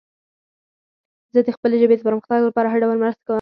زه د خپلې ژبې د پرمختګ لپاره هر ډول مرسته کوم.